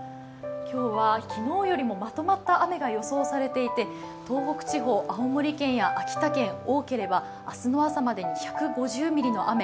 今日は昨日よりもまとまった雨が予想されていて、東北地方、青森県や秋田県、多ければ明日の朝までに１５０ミリの雨。